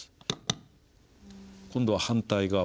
今度は反対側。